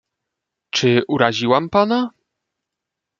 "Czy uraziłam pana?"